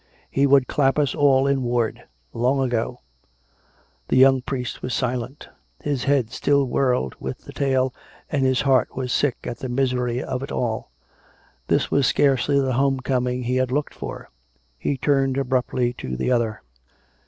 He would clap us all in ward — long ago." The young priest was silent. His head still whirled with the tale, and his heart was sick at the misery of it all. This was scarcely the home coming he had looked for! He turned abruptly to the other.